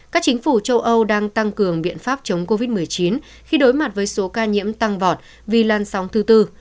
các chính phủ châu âu đang tăng cường biện pháp chống covid một mươi chín khi đối mặt với số ca nhiễm tăng vọt vì lan sóng thứ tư